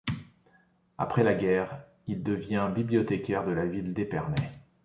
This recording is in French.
Après la guerre, il devient bibliothécaire de la ville d'Épernay.